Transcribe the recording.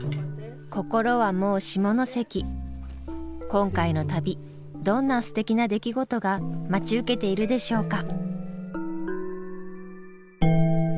今回の旅どんなすてきな出来事が待ち受けているでしょうか。